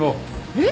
えっ？